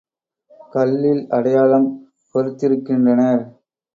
கல்லில் அடையாளம் பொறித்திருக்கின்றனர்.